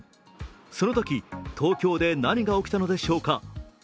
そのとき東京で何が起きたのでしょうか。